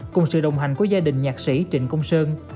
cùng sự đồng hành của gia đình nhạc sĩ trịnh công sơn